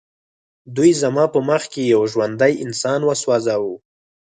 دوی زما په مخ کې یو ژوندی انسان وسوځاوه